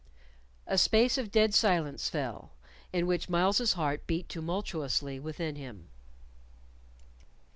A space of dead silence fell, in which Myles's heart beat tumultuously within him.